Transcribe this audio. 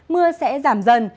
mưa sẽ giảm dần